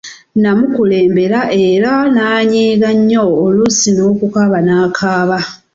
Namukulembera era n’anyiiga nnyo oluusi n'okukaaba nakaaba.